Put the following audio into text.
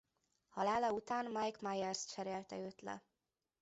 Halála után Mike Myers cserélte őt le.